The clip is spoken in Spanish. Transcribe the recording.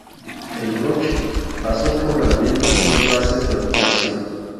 El "broch" pasó por al menos dos fases de ocupación.